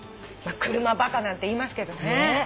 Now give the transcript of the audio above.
車バカなんていいますけどね。